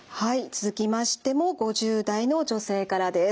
続きましても５０代の女性からです。